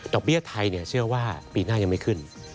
เบี้ยไทยเชื่อว่าปีหน้ายังไม่ขึ้น